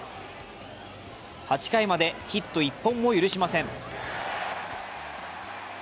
８回までヒット１本も許しません。